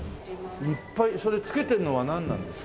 いっぱいそれつけてるのはなんなんですか？